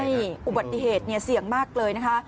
ใช่อุบัติเหตุเนี่ยเสี่ยงมากเลยนะคะ